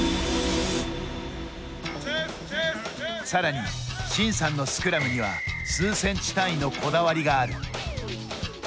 さらに、慎さんのスクラムには数センチ単位のこだわりがある。